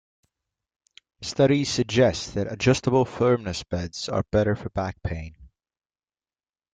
Studies suggest that adjustable-firmness beds are better for back pain.